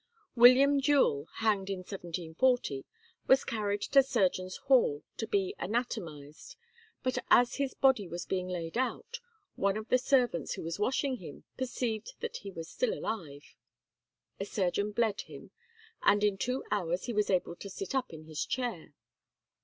William Duell, hanged in 1740, was carried to Surgeon's Hall, to be anatomized; but as his body was being laid out, one of the servants who was washing him perceived that he was still alive. A surgeon bled him, and in two hours he was able to sit up in his chair.